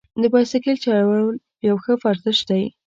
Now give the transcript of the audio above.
د بایسکل چلول یو ښه ورزش دی.